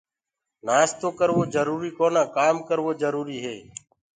نآستو ڪروو جروُري ڪونآ ڪآم ڪروو جَروُري هي۔